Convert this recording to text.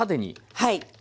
はい。